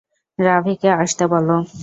রাভিকে আসতে বল।